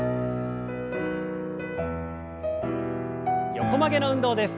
横曲げの運動です。